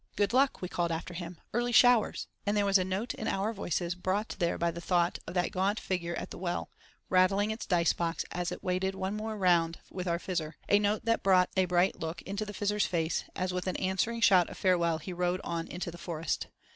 "Good luck!" we called after him. "Early showers!" and there was a note in our voices brought there by the thought of that gaunt figure at the well—rattling its dicebox as it waited for one more round with our Fizzer: a note that brought a bright look into the Fizzer's face, as with an answering shout of farewell he rode on into the forest.